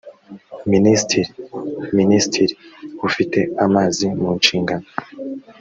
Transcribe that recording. minisitiri minisitiri ufite amazi munshingano